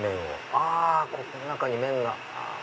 あこの中に麺が。